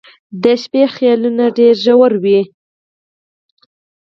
• د شپې خیالونه ډېر ژور وي.